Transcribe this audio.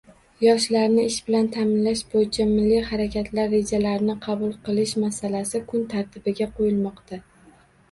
Yoshlarni ish bilan taʼminlash boʻyicha Milliy harakatlar rejalarini qabul qilish masalasi kun tartibiga qoʻyilmoqda.